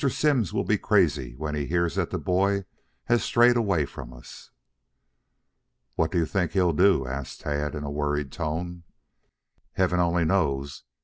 Simms will be crazy when he hears that the boy has strayed away from us." "What do you think he'll do?" asked Tad in a worried tone. "Heaven only knows.